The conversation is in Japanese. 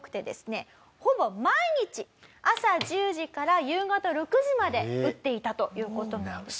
ほぼ毎日朝１０時から夕方６時まで打っていたという事なんです。